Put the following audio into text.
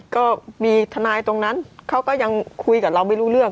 ก็มีทนายตรงนั้นเขาก็ยังคุยกับเราไม่รู้เรื่อง